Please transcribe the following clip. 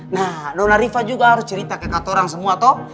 nah donal riva juga harus cerita ke kantoran semua toh